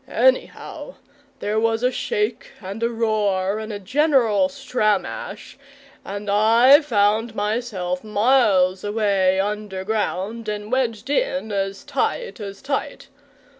Anyhow there was a shake and a roar and a general stramash, and I found myself miles away underground and wedged in as tight as tight.